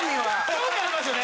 興味ありますよね。